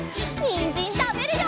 にんじんたべるよ！